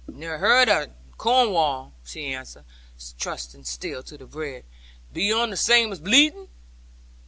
'Never heerd on it, in Cornwall,' she answered, trusting still to the bread; 'be un the same as bleeding?'